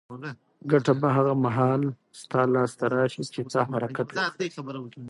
ګټه به هغه مهال ستا لاس ته راشي چې ته حرکت وکړې.